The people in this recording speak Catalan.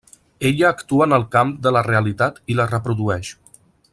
Ella actua en el camp de la realitat i la reprodueix.